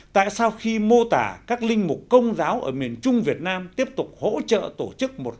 tại sao khi mô tả các linh mục công giáo ở miền trung việt nam tiếp tục hỗ trợ tổ chức một